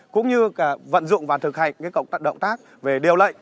cũng như vận dụng và thực hành động tác về điều lệnh